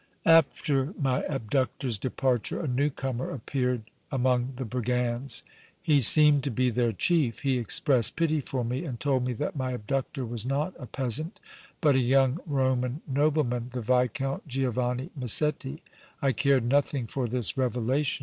"After my abductor's departure, a new comer appeared among the brigands. He seemed to be their chief. He expressed pity for me, and told me that my abductor was not a peasant, but a young Roman nobleman, the Viscount Giovanni Massetti. I cared nothing for this revelation.